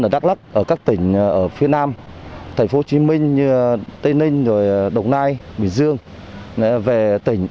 ở đắk lắk các tỉnh phía nam tp hcm tây ninh đồng nai bình dương về tỉnh